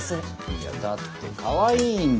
いやだってかわいいんですよ。